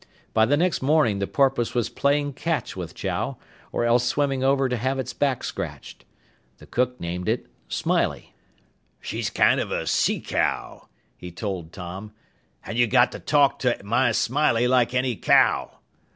By the next morning the porpoise was playing catch with Chow, or else swimming over to have its back scratched. The cook named it Smiley. "She's kind of a sea cow," he told Tom, "and you got to talk to my Smiley like any cow!"